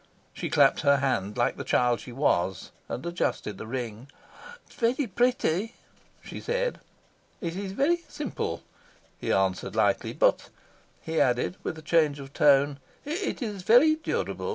She clapped her hands, like the child she was, and adjusted the ring. "It is very pretty," she said. "It is very simple," he answered lightly. "But," he added, with a change of tone, "it is very durable.